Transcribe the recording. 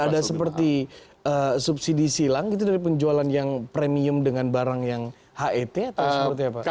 ada seperti subsidi silang gitu dari penjualan yang premium dengan barang yang het atau seperti apa